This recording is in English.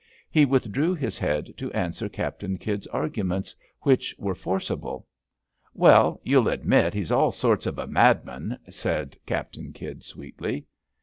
He withdrew his head to answer Captain Kydd's arguments, which were forcible. *' Well, you'll admit he's all sorts of a madman," said Captain Kydd sweetly.